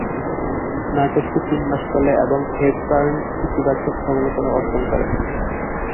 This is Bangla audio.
নাটকটি তিন মাস চলে এবং হেপবার্ন ইতিবাচক সমালোচনা অর্জন করেন।